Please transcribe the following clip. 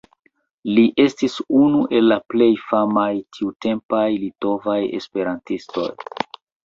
Li estis unu el la plej famaj tiutempaj litovaj esperantistoj.